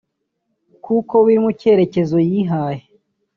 kuko biri mu cyerekezo yihaye